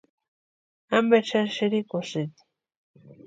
¿Amperi xani sïrikusïni?